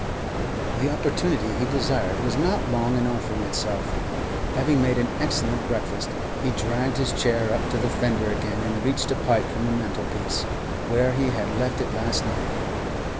The opportunity he desired was not long in offering itself. Having made an excellent breakfast, he dragged his chair up to the fender again, and reached a pipe from the mantel piece, where he had left it last night.